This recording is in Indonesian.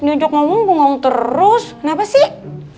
duduk ngomong bengong terus kenapa sih